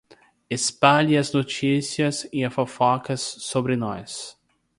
Espalhe as notícias e as fofocas sobre nós